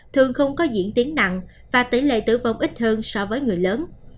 thường không có diễn tiến nặng và tỷ lệ tử vong ít hơn so với người lớn